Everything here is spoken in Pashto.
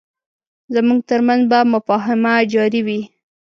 زموږ ترمنځ به مفاهمه جاري وي.